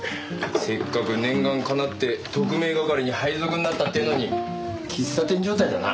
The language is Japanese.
せっかく念願かなって特命係に配属になったっていうのに喫茶店状態だな。